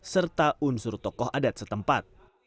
serta unsur tokoh adat setempat